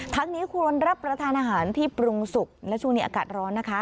นี้ควรรับประทานอาหารที่ปรุงสุกและช่วงนี้อากาศร้อนนะคะ